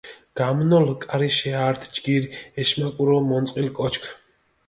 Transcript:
გამნოლ კარიშე ართი ჯგირი ეშმაკურო მონწყილ კოჩქ.